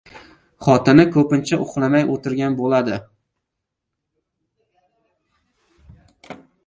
Xotini koʻpincha uxlamay oʻtirgan boʻladi.